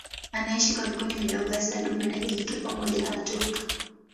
Anaishi kwa vikundi vidogo hasa dume na jike pamoja na watoto.